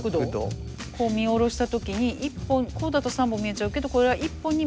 こう見下ろした時にこうだと３本見えちゃうけどこれが１本に見える角度。